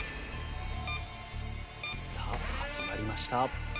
さあ始まりました。